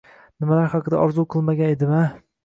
Nimalar haqida orzu qilmagan edima